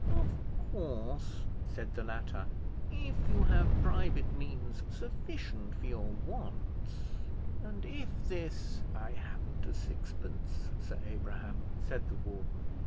"Of course," said the latter, "if you have private means sufficient for your wants, and if this " "I haven't a sixpence, Sir Abraham," said the warden.